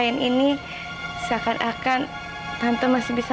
ibu korban tersebut